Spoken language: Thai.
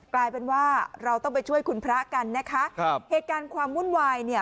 กลายเป็นว่าเราต้องไปช่วยคุณพระกันนะคะครับเหตุการณ์ความวุ่นวายเนี่ย